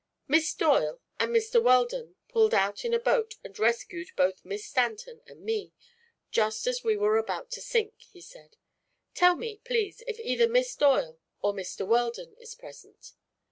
"Miss Doyle and Mr. Weldon pulled out in a boat and rescued both Miss Stanton and me, just as we were about to sink," he said. "Tell me, please, if either Miss Doyle or Mr. Weldon is present."